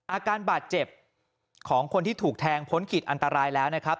อาการบาดเจ็บของคนที่ถูกแทงพ้นขีดอันตรายแล้วนะครับ